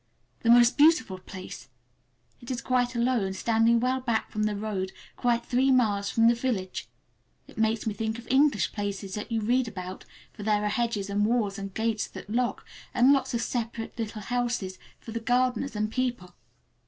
The most beautiful place! It is quite alone, standing well back from the road, quite three miles from the village. It makes me think of English places that you read about, for there are hedges and walls and gates that lock, and lots of separate little houses for the gardeners and people.